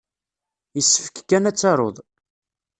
Yessefk kan ad tarud.